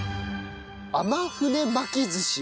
天船巻き寿司。